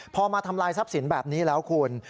พอมาทำลายทรัพย์สินแบบนี้แล้วคุณ